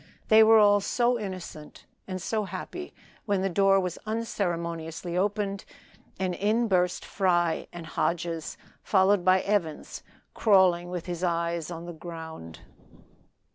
They were all so innocent and so happy, when the door was unceremoniously opened, and in burst Fry and Hodges, followed by Evans crawling with his eyes on the ground.